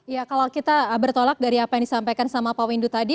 ya kalau kita bertolak dari apa yang disampaikan sama pak windu tadi